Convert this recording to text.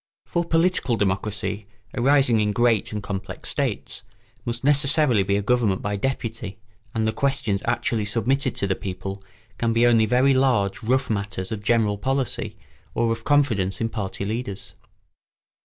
For political democracy, arising in great and complex states, must necessarily be a government by deputy, and the questions actually submitted to the people can be only very large rough matters of general policy or of confidence in party leaders.